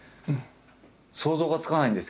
想像がつかないんですけれども。